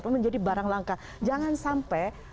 pun menjadi barang langka jangan sampai